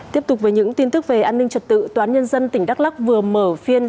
tiếp tục với những tin tức về an ninh trật tự tòa án nhân dân tỉnh đắk lắc vừa mở phiên